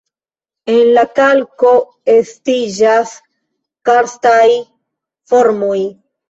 En la kalko estiĝas karstaj formoj.